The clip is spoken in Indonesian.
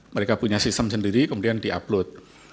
mereka punya sistem sendiri kemudian di upload